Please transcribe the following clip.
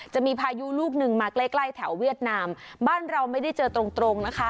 จะมีพายุลูกหนึ่งมาใกล้ใกล้แถวเวียดนามบ้านเราไม่ได้เจอตรงตรงนะคะ